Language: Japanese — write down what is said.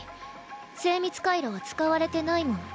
精密回路は使われてないもの。